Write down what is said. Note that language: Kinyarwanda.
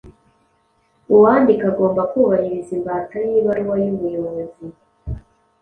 Uwandika agomba kubahiriza imbata y’ibaruwa y’ubuyobozi.